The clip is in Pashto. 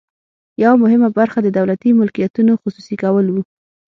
یوه مهمه برخه د دولتي ملکیتونو خصوصي کول وو.